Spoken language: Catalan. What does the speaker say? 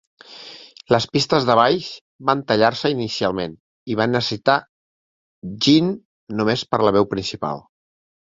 Les pistes de baix van tallar-se inicialment, i van necessitar Gene només per la veu principal.